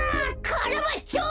カラバッチョ！